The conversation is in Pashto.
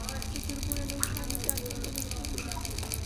په زرګونو نور کاندیدان پیژندل شوي دي.